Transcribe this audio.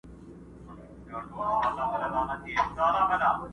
دا بې ذوقه بې هنره محفلونه زموږ نه دي،